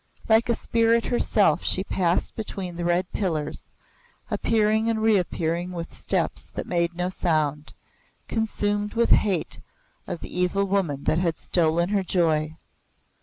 Like a spirit herself she passed between the red pillars, appearing and reappearing with steps that made no sound, consumed with hate of the evil woman that had stolen her joy.